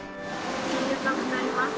ありがとうございます。